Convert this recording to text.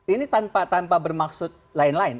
ini tanpa bermaksud lain lain